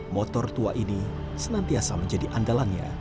motor tua ini senantiasa menjadi andalannya